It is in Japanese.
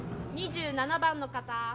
・２７番の方。